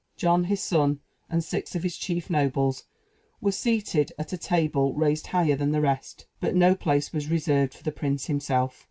John, his son, and six of his chief nobles, were seated at a table raised higher than the rest; but no place was reserved for the prince himself.